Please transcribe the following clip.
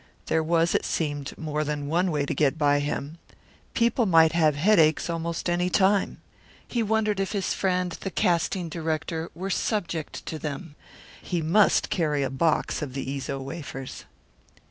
There was, it seemed, more than one way to get by him. People might have headaches almost any time. He wondered if his friend the casting director were subject to them. He must carry a box of the Eezo wafers.